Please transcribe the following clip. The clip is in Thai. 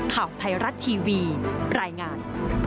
ข่าวไทยรัฐทีวีรายงาน